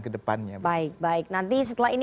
ke depannya baik baik nanti setelah ini